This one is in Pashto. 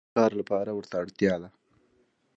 د بل کار لپاره ورته اړتیا ده.